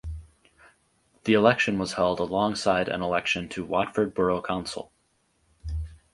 The election was held alongside an election to Watford Borough Council.